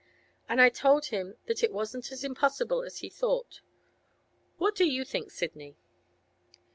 And I told him that it wasn't as impossible as he thought. What do you think, Sidney?